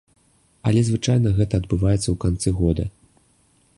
Але звычайна гэта адбываецца ў канцы года.